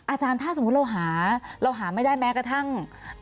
อาจารย์ถ้าสมมุติเราหาเราหาไม่ได้แม้กระทั่ง